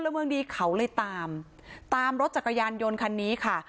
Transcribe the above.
เมืองดีเขาเลยตามตามรถจักรยานยนต์คันนี้ค่ะ